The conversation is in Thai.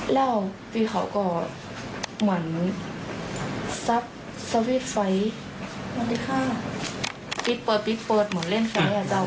แล้วพี่เขาก็เหมือนสับซาวิดไฟปิ๊ดเปิดเหมือนเล่นไฟอ่ะจ้าว